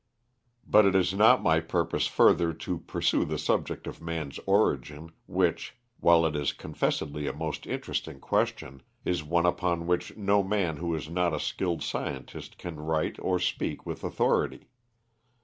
But it is not my purpose further to pursue the subject of man's origin, which, while it is confessedly a most interesting question, is one upon which no man who is not a skilled scientist can write or speak with authority.